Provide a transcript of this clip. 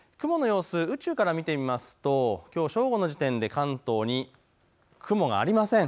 雲の様子、宇宙から見てみますときょう正午の時点で関東に雲がありません。